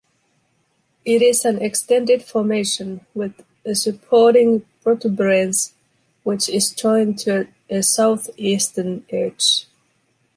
It is an extended formation, with a supporting protuberance, which is joined to a southeastern edge.